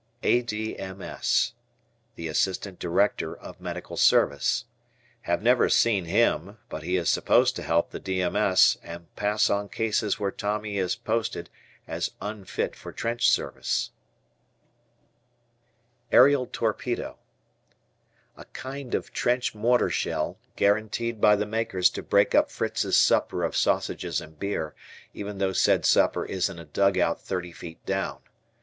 A.D.M.S. Assistant Director of Medical Service. Have never seen him but he is supposed to help the D. M. S. and pass on cases where Tommy is posted as "unfit for trench service." Aerial Torpedo. A kind of trench mortar shell, guaranteed by the makers to break up Fritz's supper of sausages and beer, even though said supper is in a dugout thirty feet down.